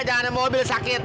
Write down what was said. jangan ada mobil sakit